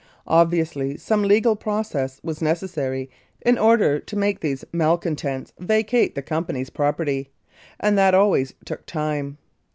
Obviously some legal process was necessary in order to make these malcon tents vacate the company's property, and that always took time.